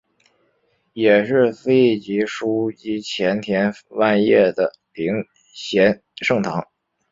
也是司铎级枢机前田万叶的领衔圣堂。